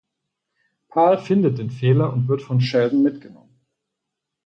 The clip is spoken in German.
Pal findet den Fehler und wird von Sheldon mitgenommen.